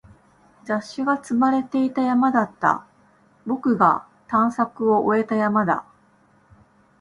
雑誌が積まれていた山だった。僕が探索を終えた山だ。